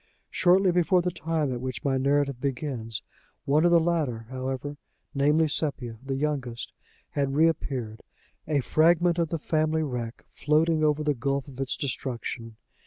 Shortly before the time at which my narrative begins, one of the latter, however, namely Sepia, the youngest, had reappeared, a fragment of the family wreck, floating over the gulf of its destruction.